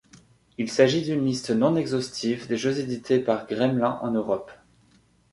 Il s'agit d'une liste non-exhaustive des jeux édités par Gremlin en Europe.